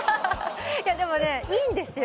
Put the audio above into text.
いやでもねいいんですよ